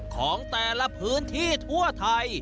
ของแต่ละพื้นที่ทั่วไทย